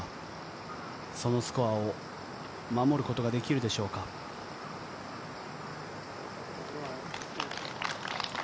そのスコアを守ることができるでしょうか。